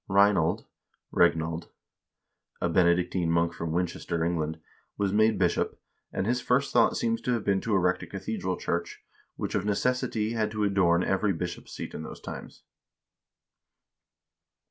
Reinald (Reginald), a Benedictine monk from Winchester, England, was made bishop, and his first thought seems to have been to erect a cathedral church, which of necessity had to adorn every bishop's seat in those times.